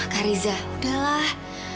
kak riza udahlah